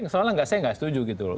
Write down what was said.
soalnya saya nggak setuju gitu loh